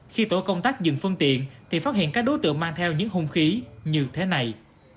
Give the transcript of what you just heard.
khi tổ công tác dừng phương tiện thì phát hiện các đối tượng mang theo những hung khí như thế này